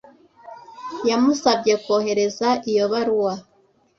Yamusabye kohereza iyo baruwa.